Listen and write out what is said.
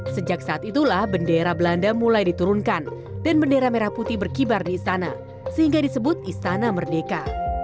sejak saat itulah bendera belanda mulai diturunkan dan bendera merah putih berkibar di istana sehingga disebut istana merdeka